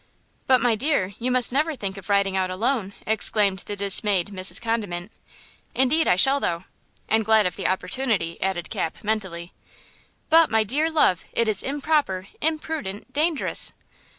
"But, my dear, you must never think of riding out alone," exclaimed the dismayed Mrs. Condiment. "Indeed I shall, though–and glad of the opportunity," added Cap, mentally. "But, my dear love, it is improper, imprudent, dangerous."